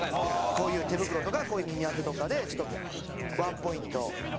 こういう手袋とかこういう耳当てとかでちょっとワンポイント。